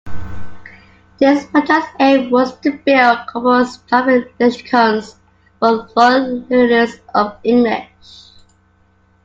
This project's aim was to build corpus-driven lexicons for foreign learners of English.